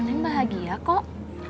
neng bahagia kok